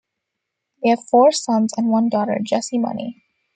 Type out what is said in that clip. They have four sons and one daughter, Jesse Money.